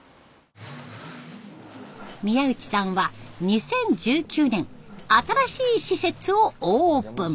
宮内さんは２０１９年新しい施設をオープン。